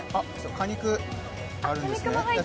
果肉、あるんですね。